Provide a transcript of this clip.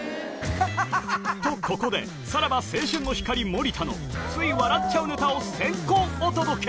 と、ここで、さらば青春の光・森田のつい笑っちゃうネタを先行お届け。